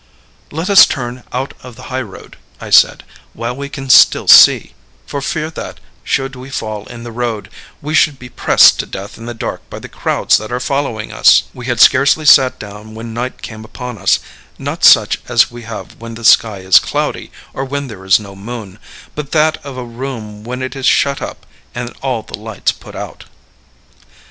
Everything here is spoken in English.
"Let us turn out of the highroad," I said, "while we can still see, for fear that, should we fall in the road, we should be pressed to death in the dark by the crowds that are following us." We had scarcely sat down when night came upon us, not such as we have when the sky is cloudy, or when there is no moon, but that of a room when it is shut up and all the lights put out.